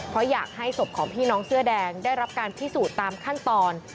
เพราะอยากให้ศพของพี่น้องเสื้อแดงได้รับการพิสูจน์ตามขั้นตอน